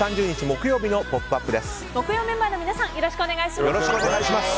木曜メンバーの皆さんよろしくお願いします。